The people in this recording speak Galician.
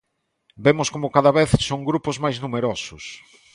Vemos como cada vez son máis grupos numerosos.